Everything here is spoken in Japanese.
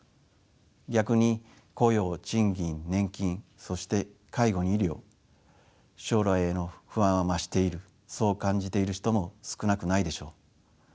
逆に雇用賃金年金そして介護に医療将来への不安は増しているそう感じている人も少なくないでしょう。